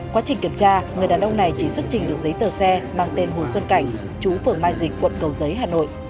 quá trình kiểm tra người đàn ông này chỉ xuất trình được giấy tờ xe mang tên hồ xuân cảnh chú phường mai dịch quận cầu giấy hà nội